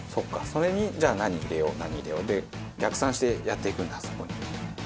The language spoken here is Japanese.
それにじゃあ何入れよう何入れようで逆算してやっていくんだそこに。